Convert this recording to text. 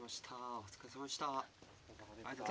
お疲れさまでした。